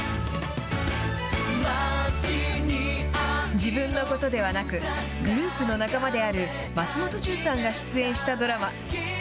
自分のことではなく、グループの仲間である松本潤さんが出演したドラマ。